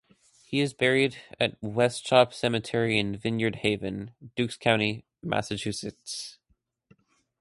He is buried at West Chop Cemetery in Vineyard Haven, Dukes County, Massachusetts.